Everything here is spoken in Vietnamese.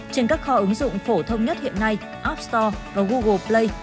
trên các kho ứng dụng phổ thông nhất hiện nay app store và google play